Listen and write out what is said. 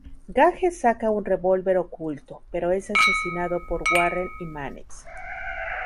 Gage saca un revólver oculto, pero es asesinado por Warren y Mannix.